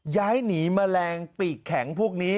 ย้ายหนีแมลงปีกแข็งพวกนี้